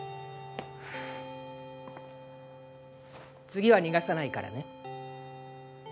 次は逃がさないからね。